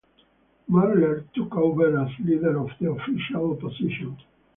Marler took over as Leader of the Official Opposition.